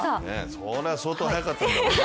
それは相当速かったんだろうな。